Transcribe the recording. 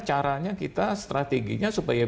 caranya kita strateginya supaya